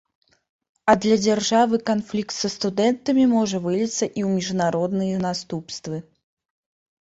А для дзяржавы канфлікт са студэнтамі можа выліцца і ў міжнародныя наступствы.